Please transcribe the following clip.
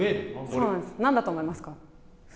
なんだと思いますか。